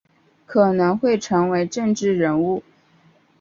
可能会成为政治人物